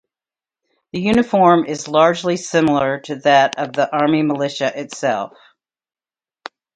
The uniform is largely similar to that of the Army Militia itself.